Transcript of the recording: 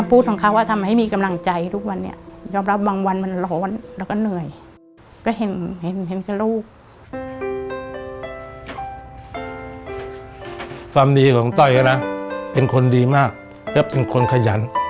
ความดีของต้อยนะเป็นคนดีมากและเป็นคนขยัน